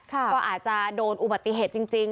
ก็อาจจะโดนอุบัติเหตุจริง